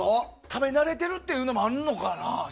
食べ慣れてるっていうのもあるのかな？